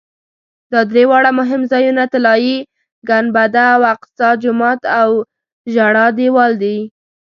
دا درې واړه مهم ځایونه طلایي ګنبده او اقصی جومات او ژړا دیوال دي.